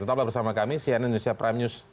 tetaplah bersama kami cnn indonesia prime news